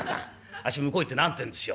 あっし向こう行って何て言うんですよ？